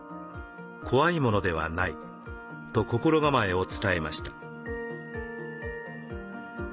怖いものではない」と心構えを伝えました。